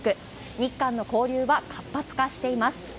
日韓の交流は活発化しています。